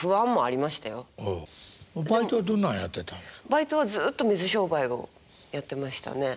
バイトはずっと水商売をやってましたね。